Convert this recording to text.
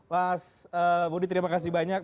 mas budi terima kasih banyak